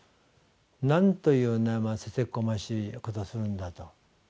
なんというせせこましいことをするんだと。